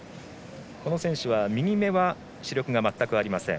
この選手は右目は視力が全くありません。